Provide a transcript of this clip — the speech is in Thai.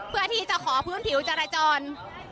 เพื่อที่จะขอพื้นผิวจราจร